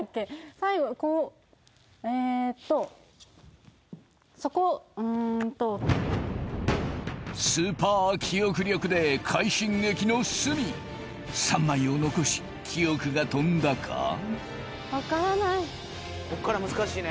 最後こうえとそこうんとスーパー記憶力で快進撃の鷲見３枚を残し記憶が飛んだかこっから難しいね